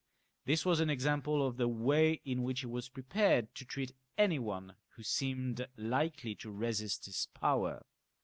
This was an example of the way in which he was prepared to treat any one who seemed likely to resist his power.